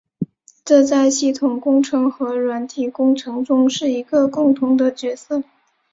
这在系统工程和软体工程中是一个共同的角色。